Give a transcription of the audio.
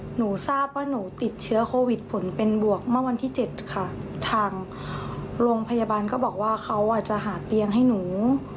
หนูทราบว่าหนูติดเชื้อโควิดผลเป็นบวกเมื่อวันที่๗ค่ะทางโรงพยาบาลก็บอกว่าเขาอาจจะหาเตียงให้หนู